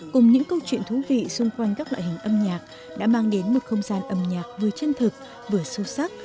cùng những câu chuyện thú vị xung quanh các loại hình âm nhạc đã mang đến một không gian âm nhạc vừa chân thực vừa sâu sắc